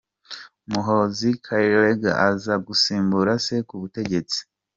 Muhoozi Kainerugaba, akazasimbura se ku butegetsi.